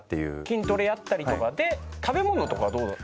筋トレやったりとかで食べ物とかどうだった？